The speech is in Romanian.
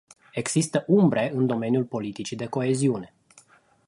Există umbre în domeniul politicii de coeziune.